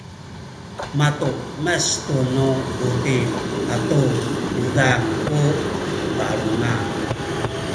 matumes tu nu buting atu uzang ku balunga